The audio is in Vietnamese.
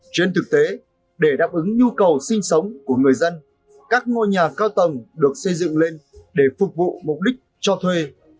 trên thực tế để đáp ứng nhu cầu sinh sống của người dân các ngôi nhà cao tầng được xây dựng lên để phục vụ mục đích cho thuê